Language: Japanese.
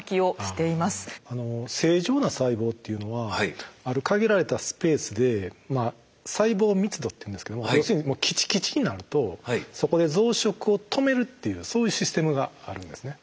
正常な細胞っていうのはある限られたスペースで細胞密度っていうんですけども要するにもうきちきちになるとそこで増殖を止めるっていうそういうシステムがあるんですね。